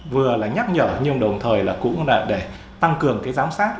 vừa là nhắc nhở nhưng đồng thời là cũng là để tăng cường cái giám sát